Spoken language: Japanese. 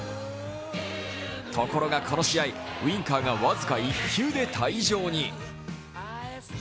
ところがこの試合、ウィンカーが僅か１球で退場に。